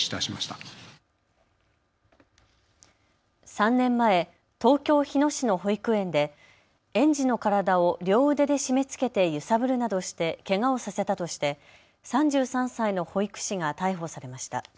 ３年前、東京日野市の保育園で園児の体を両腕で締めつけて揺さぶるなどしてけがをさせたとして３３歳の保育士が逮捕されました。